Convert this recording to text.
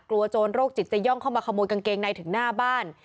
โจรโรคจิตจะย่องเข้ามาขโมยกางเกงในถึงหน้าบ้าน